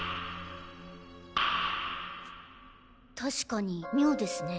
確かに妙ですね。